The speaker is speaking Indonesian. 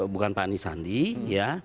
bukan pak anis andi ya